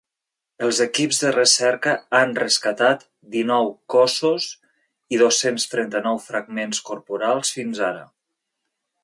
Els equips de recerca han rescatat dinou cossos i dos-cents trenta-nou fragments corporals fins ara.